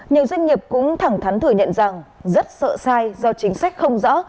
nhiều doanh nghiệp cũng thẳng thắn thừa nhận rằng rất sợ sai do chính sách không rõ